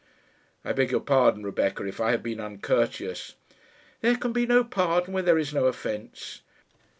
"I beg your pardon, Rebecca, if I have been uncourteous." "There can be no pardon where there is no offence."